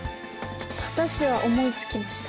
私は思いつきました。